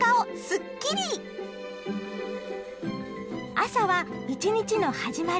朝は一日の始まり。